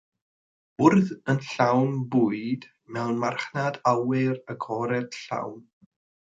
Bwrdd yn llawn bwyd mewn marchnad awyr agored llawn.